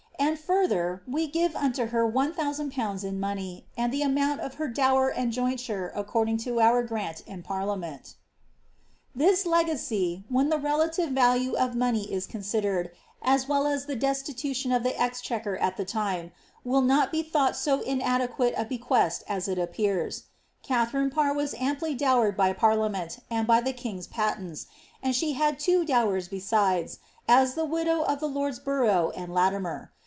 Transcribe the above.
And further, wc give unto her one thousand pounds in money, and the amount of her dower and jointure according to our grant in parliamenL*' This legacy, when the relative value of money is considered, as well •■ the destitution of the exchequer at the time, will not be thought so iBftdequate a bequest as it appears. Katharine Parr was amply dowered by parliament, and by the king's patents; and she had two dowers be iMies, as the widow of the lords Borough, and Latimer.